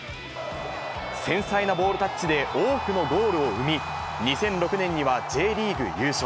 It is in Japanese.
繊細なボールタッチで多くのゴールを生み、２００６年にはＪリーグ優勝。